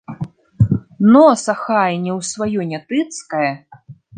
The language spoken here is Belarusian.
Носа хай не ў сваё не тыцкае.